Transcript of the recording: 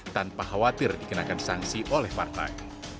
tanpa khawatir dikenakan sanksi oleh partai